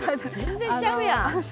全然ちゃうやん。